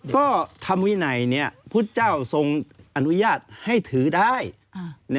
ก็ธรรมวินัยพุทธเจ้าทรงอนุญาตให้ถือได้